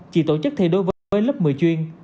chỉ tổ chức thi đối với lớp một mươi chuyên